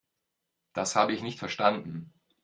Das habe ich nicht verstanden.